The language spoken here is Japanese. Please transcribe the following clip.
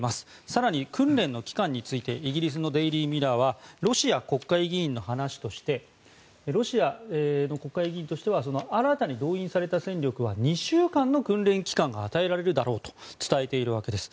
更に訓練の期間についてイギリスのデイリー・ミラーはロシア国会議員としては新たに動員された戦力は２週間の訓練期間が与えられるだろうと伝えているわけです。